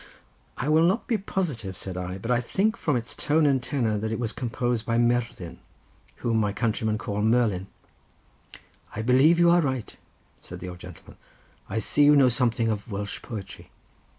'" "I will not be positive," said I, "but I think from its tone and tenor that it was composed by Merddyn, whom my countrymen call Merlin." "I believe you are right," said the old gentleman, "I see you know something of Welsh poetry.